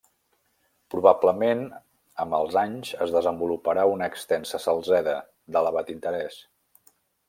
Probablement amb els anys es desenvoluparà una extensa salzeda, d'elevat interès.